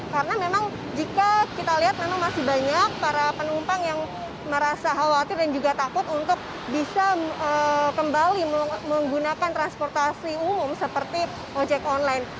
karena memang jika kita lihat memang masih banyak para penumpang yang merasa khawatir dan juga takut untuk bisa kembali menggunakan transportasi umum seperti ojek online